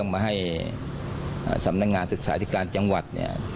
มาให้สำนักงานศึกษาธิการจังหวัดเนี่ย